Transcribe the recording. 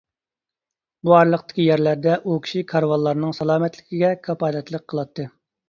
بۇ ئارىلىقتىكى يەرلەردە ئۇ كىشى كارۋانلارنىڭ سالامەتلىكىگە كاپالەتلىك قىلاتتى.